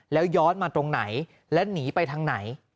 แล้วย้อนมาตรงไหนและหนีไปทางไหน